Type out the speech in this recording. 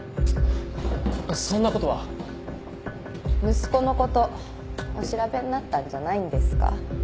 息子のことお調べになったんじゃないんですか？